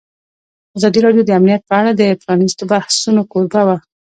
ازادي راډیو د امنیت په اړه د پرانیستو بحثونو کوربه وه.